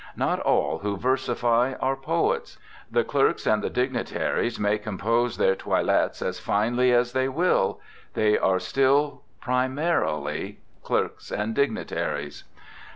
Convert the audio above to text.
Not all who versify are poets. The clerks and the dignitaries may compose their toilettes as finely as they will; they are still primarily clerks and dignitaries.